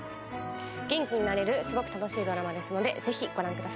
元気になれるすごく楽しいドラマですのでぜひご覧ください。